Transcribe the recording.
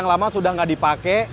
nama sudah nggak dipakai